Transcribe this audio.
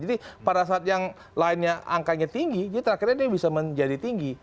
jadi pada saat yang lainnya angkanya tinggi jadi terakhirnya dia bisa menjadi tinggi